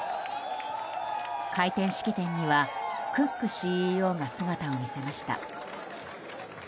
開店式典にはクックＣＥＯが姿を見せました。